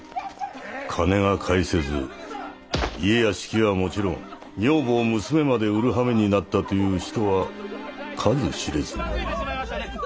金が返せず家屋敷はもちろん女房娘まで売るはめになったという人は数知れず。